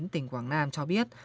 tỉnh quảng nam cho biết